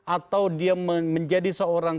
atau dia menjadi seorang